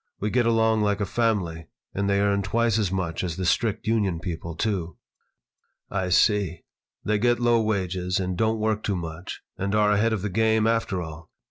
We get along like a family, and they earn twice as much as the strict union people, too." "I see. They get low wages and don't work too much and are ahead of the game, after all.